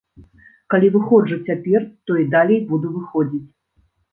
Калі выходжу цяпер, то і далей буду выходзіць.